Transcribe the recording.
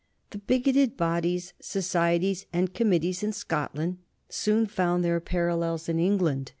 The bigoted bodies, societies, and committees in Scotland soon found their parallels in England.